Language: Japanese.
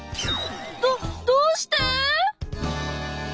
どどうして！？